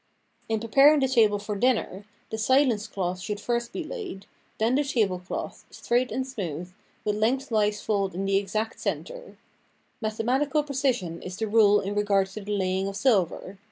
In preparing the table for dinner, the silence cloth should first be laid, then the table cloth, straight and smooth, with length wise fold in the exact cen ter. Mathematical pre cision is the rule in regard to the laying of silver.